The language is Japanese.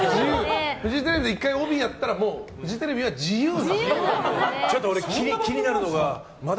フジテレビで１回帯やったらもう、フジテレビは自由なんだ。